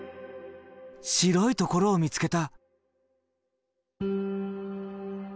白いところを見つけた。